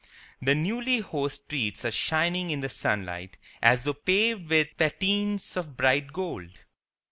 The newly hosed streets are shining in the sunlight as though paved with "patines of bright gold."